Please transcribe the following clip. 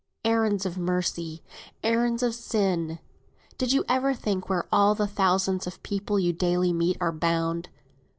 Errands of mercy errands of sin did you ever think where all the thousands of people you daily meet are bound?